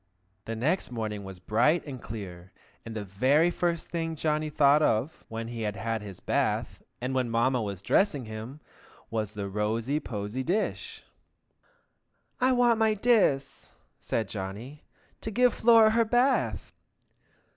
The next morning was bright and clear, and the very first thing Johnny thought of, when he had had his bath, and Mamma was dressing him, was the rosy posy dish. "I wants my diss," said Johnny, "to give Flora her bath!"